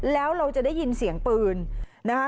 แล้วเราจะได้ยินเสียงปืนนะคะ